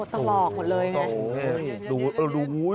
ตัวตลอกหมดเลยไง